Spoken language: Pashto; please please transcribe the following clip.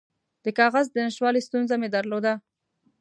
د کاغذ د نشتوالي ستونزه مې درلوده.